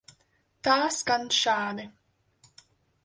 Tā skan šādi.